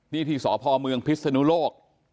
นี่ที่สพเมืองพิศนุโลก